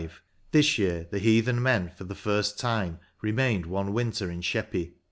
This year the heathen men, for the first time, remained one winter in Sheppey.